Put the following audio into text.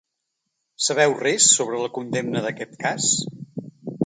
Sabeu res sobre la condemna d’aquest cas?